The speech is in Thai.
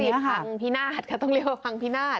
ฟังพินาศค่ะต้องเรียกว่าฟังพินาศ